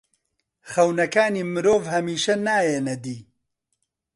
خەونەکانی مرۆڤ هەمیشە نایەنە دی.